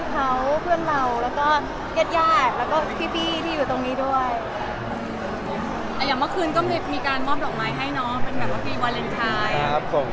หยังวัคคืนมีการมอบโดดไม้ให้เนาะนะ